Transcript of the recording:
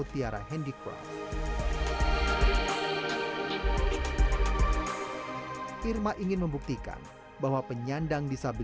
tetap saya ikut mengantar saya ikut dampingi support terus untuk menyemangati bu irma